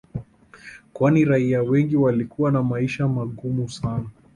Kwani raia wengi walikuwa na maisha magumu sana